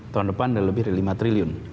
tahun depan ada lebih dari lima triliun